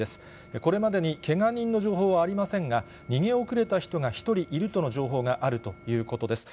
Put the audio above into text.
これまでにけが人の情報はありませんが、逃げ遅れた人が１人いるとの情報があるということです。